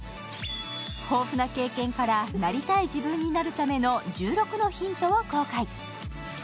豊富な経験から、なりたい自分になるための１６のヒントを公開。